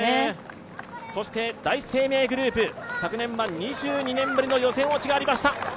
そして第一生命グループ昨年は２２年ぶりの予選落ちがありました。